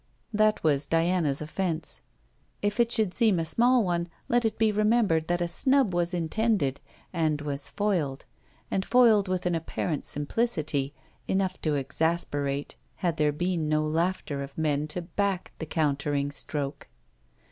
That was Diana's offence. If it should seem a small one, let it be remembered that a snub was intended, and was foiled; and foiled with an apparent simplicity, enough to exasperate, had there been no laughter of men to back the countering stroke.